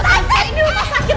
tante ini udah sakit